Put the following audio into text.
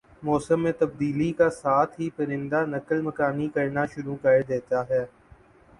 موسم میں تبدیلی کا ساتھ ہی پرندہ نقل مکانی کرنا شروع کرنا ہون